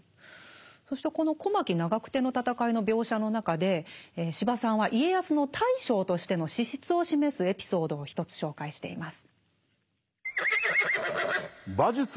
そしてこの小牧・長久手の戦いの描写の中で司馬さんは家康の大将としての資質を示すエピソードを一つ紹介しています。